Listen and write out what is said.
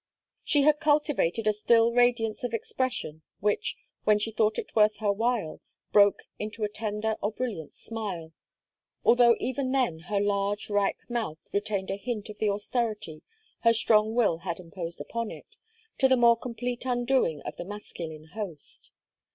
She had cultivated a still radiance of expression which, when she thought it worth her while, broke into a tender or brilliant smile; although even then her large, ripe mouth retained a hint of the austerity her strong will had imposed upon it to the more complete undoing of the masculine host.